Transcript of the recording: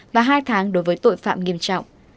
và hai tháng đối với tội phạm nghiêm trọng